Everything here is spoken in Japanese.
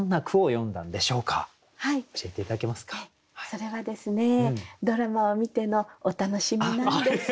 それはですねドラマを見てのお楽しみなんです。